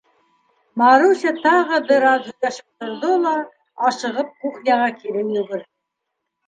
Маруся тағы бер аҙ һөйләшеп торҙо ла ашығып кухняға кире йүгерҙе.